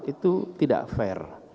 itu tidak fair